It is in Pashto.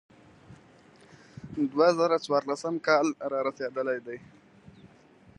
دوه زره څوارلسم کال را رسېدلی دی.